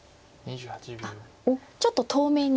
あっちょっと遠めに。